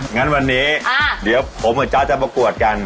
งั้นวันนี้เดี๋ยวผมกับจ๊ะจะประกวดกัน